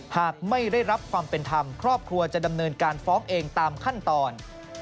หากไม่ได้รับความเป็นธรรมครอบครัวจะดำเนินการฟ้องเองตามขั้นตอน